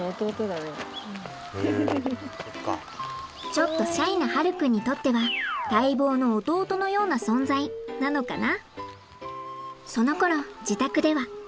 ちょっとシャイな葉琉君にとっては待望の弟のような存在なのかな？